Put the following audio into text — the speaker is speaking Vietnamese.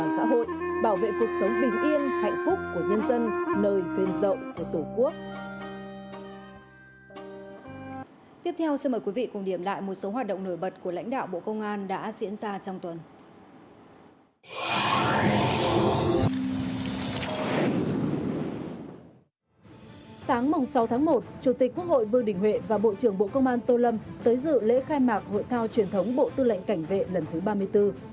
sau tháng một chủ tịch quốc hội vương đình huệ và bộ trưởng bộ công an tô lâm tới dự lễ khai mạc hội thao truyền thống bộ tư lệnh cảnh vệ lần thứ ba mươi bốn